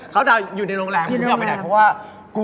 เข้าดาวน์อยู่ในโรงแรม